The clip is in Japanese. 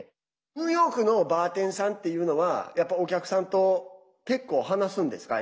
ニューヨークのバーテンさんっていうのはやっぱり、お客さんと結構、話すんですか？